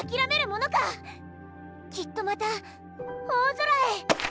きっとまた大空へ。